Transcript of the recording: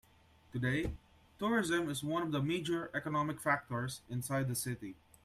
Today, tourism is one of the major economic factors inside the city.